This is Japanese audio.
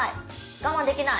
我慢できない。